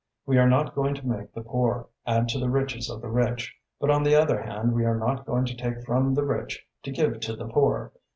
We are not going to make the poor add to the riches of the rich, but on the other hand we are not going to take from the rich to give to the poor.